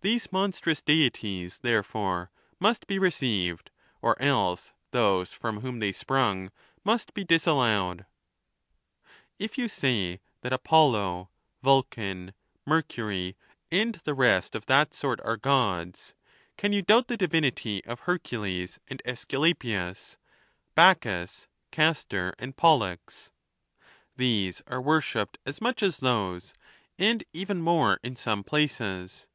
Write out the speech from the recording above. These monstrous Deities, therefore, must be received, or else those from whom they sprung must be disallowed. XVIII. If you say that Apollo, Vulcan, Mercury, and the rest of that sort are Gods, can you doubt the divinity of Hercules and ^sculapius, Bacchus, Castor and Pollux ? These are worshipped as much as those, and even more in some places.